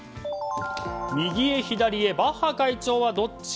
右へ左へバッハ会長はどっち？